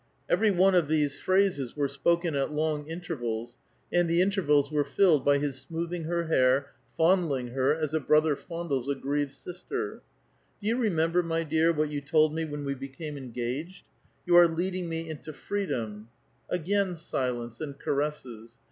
Every one of these phrases were six)ken at long intervals, and the intervals were filled by his smoothing her hair, fond ling her, as a brother fondles a grieved sister. " Do 3*ou remember, my dear, what you told me when we became engaged? ' You are leading nie into freedom.'" — Again silence and caresses.